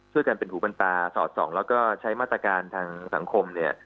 กันเป็นหูเป็นตาสอดส่องแล้วก็ใช้มาตรการทางสังคมเนี่ย